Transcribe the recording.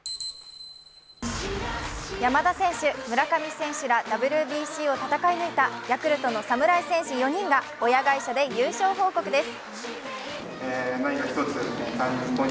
山田選手、村上選手らＷＢＣを戦い抜いたヤクルトの侍戦士４人が親会社で優勝報告です。